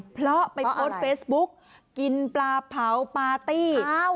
เพราะไปโพสต์เฟซบุ๊กกินปลาเผาปาร์ตี้